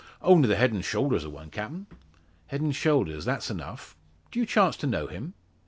"Only the head and shoulders o' one, captain." "Head and shoulders; that's enough. Do you chance to know him?"